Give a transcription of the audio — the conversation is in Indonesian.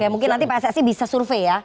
oke mungkin nanti pak sse bisa survei ya